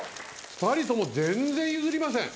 ２人とも全然譲りません。